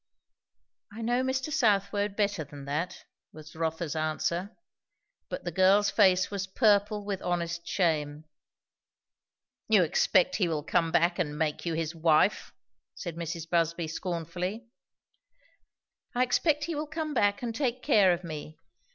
"I know Mr. Southwode better than that," was Rotha's answer. But the girl's face was purple with honest shame. "You expect he will come back and make you his wife?" said Mrs. Busby scornfully. "I expect he will come back and take care of me.